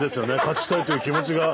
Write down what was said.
勝ちたいという気持ちが。